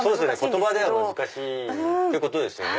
言葉では難しいということですね。